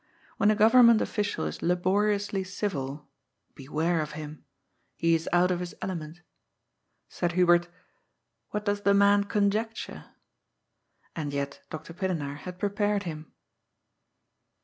When a government official is laboriously civil, beware of him. He is out of his element. Said Hubert :" What does the man conjecture? " And yet Dr. Pillenaar had prepared him.